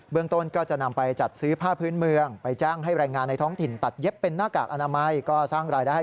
เบื้องต้นก็จะนำไปจัดซื้อผ้าพื้นเมือง